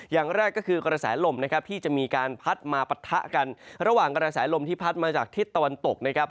อย่างแรกก็คือกระแสลมนะครับที่จะมีการพัดมาปะทะกันระหว่างกระแสลมที่พัดมาจากทิศตะวันตกนะครับ